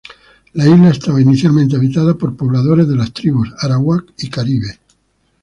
La isla estaba inicialmente habitada por pobladores de las tribus arawak y caribe.